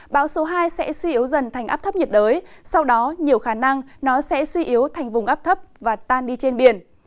bão số hai sẽ suy yếu dần thành áp thấp nhiệt đới sau đó nhiều khả năng nó sẽ suy yếu thành vùng áp thấp và tan đi trên biển